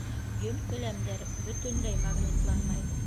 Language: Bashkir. Йөн келәмдәр бөтөнләй магнитланмай.